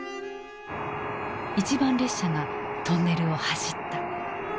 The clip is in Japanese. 一番列車がトンネルを走った。